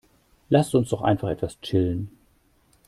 Lass uns doch einfach etwas chillen.